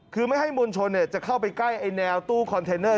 คือไม่ให้มวลชนจะเข้าไปใกล้ไอ้แนวตู้คอนเทนเนอร์